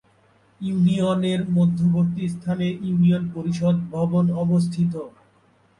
ইউনিয়নের মধ্যবর্তী স্থানে ইউনিয়ন পরিষদ ভবন অবস্থিত।